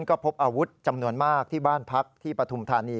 ก็พบอาวุธจำนวนมากที่บ้านพักที่ปฐุมธานี